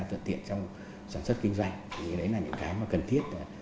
thuận tiện trong sản xuất kinh doanh thì đấy là những cái mà cần thiết